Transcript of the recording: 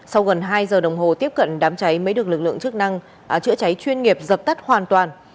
sau gần hai giờ đồng hồ tiếp cận đám cháy mới được lực lượng chức năng chữa cháy chuyên nghiệp dập tắt hoàn toàn